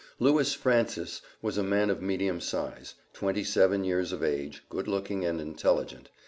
Lewis Francis was a man of medium size, twenty seven years of age, good looking and intelligent.